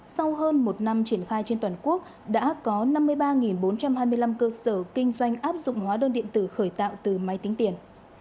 sau hơn một năm triển khai trên toàn quốc đã có năm mươi ba bốn trăm hai mươi năm cơ sở kinh doanh áp dụng hóa đơn điện tử khởi tạo từ máy tính tiền